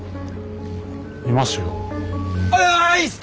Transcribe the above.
いますよ。